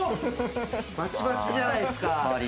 バチバチじゃないですか。